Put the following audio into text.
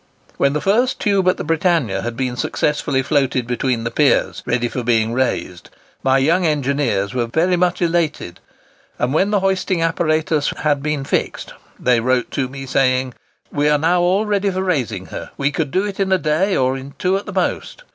When the first tube at the Britannia had been successfully floated between the piers, ready for being raised, my young engineers were very much elated; and when the hoisting apparatus had been fixed, they wrote to me saying,—'We are now all ready for raising her: we could do it in a day, or in two at the most.